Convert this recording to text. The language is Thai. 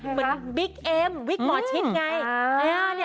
เหมือนบิ๊กเอมวิกบอร์ดชิคไง